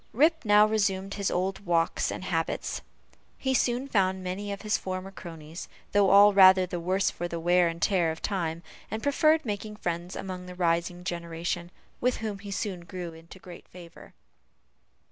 Rip now resumed his old walks and habits; he soon found many of his former cronies, though all rather the worse for the wear and tear of time; and preferred making friends among the rising generation, with whom he soon grew into great favor.